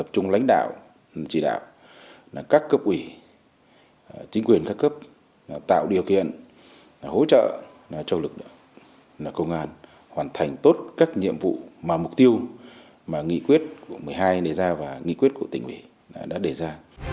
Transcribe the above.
chính quyền khắc cấp tạo điều kiện hỗ trợ cho lực lượng công an hoàn thành tốt các nhiệm vụ mà mục tiêu mà nghị quyết của một mươi hai đề ra và nghị quyết của tỉnh huế đã đề ra